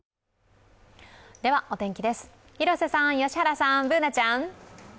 お天気です、広瀬さん、良原さん、Ｂｏｏｎａちゃん。